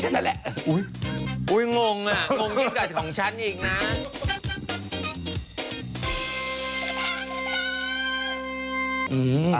นั่นแหละอุ๊ยงงอ่ะงงพิกัดของฉันอีกนะ